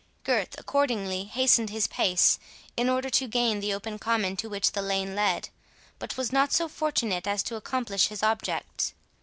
Gurth accordingly hastened his pace, in order to gain the open common to which the lane led, but was not so fortunate as to accomplish his object.